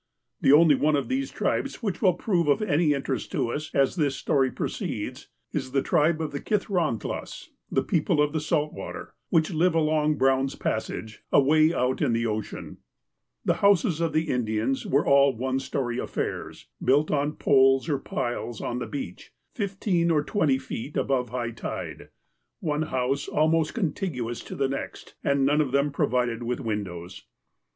The only one of these tribes which will prove of any interest to us, as this story proceeds, is the tribe of the Kithrahtlas (the people of the salt water), which lived along Brown's Passage, away out in the ocean. The houses of the Indians were all one story affairs, built on poles or piles on the beach, fifteen or twenty feet above high tide, one house almost contiguous to the next, and none of them provided with windows.